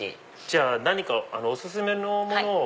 じゃあ何かお薦めのものを。